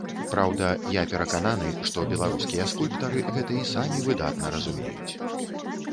Праўда, я перакананы, што беларускія скульптары гэта і самі выдатна разумеюць.